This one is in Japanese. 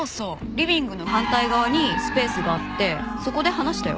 リビングの反対側にスペースがあってそこで話したよ。